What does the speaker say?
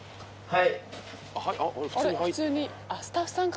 はい。